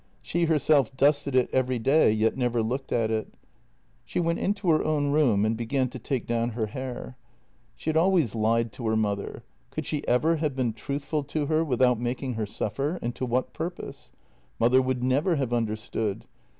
She herself dusted it every day, yet never looked at it. She went into her own room and began to take down her hair. She had always lied to her mother — could she ever have been truthful to her without making her suffer, and to what purpose? Mother would never have understood.